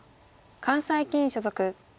関西棋院所属。